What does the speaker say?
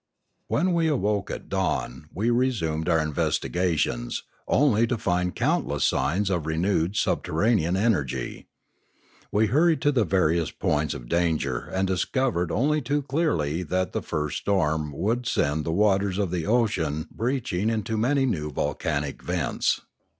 When we awoke at dawn, we resumed our investiga tions, only to find countless signs of renewed subter ranean energy. We hurried to the various points of danger and discovered only too clearly that the first storm would send the waters of the ocean breaching into many new volcanic vents.